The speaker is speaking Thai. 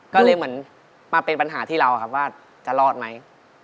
ก็เลยเหมือนมาเป็นปัญหาที่เราครับว่าจะรอดไหม